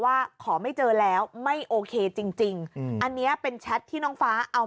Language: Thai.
ว่าขอไม่เจอแล้วไม่โอเคจริงจริงอันนี้เป็นแชทที่น้องฟ้าเอา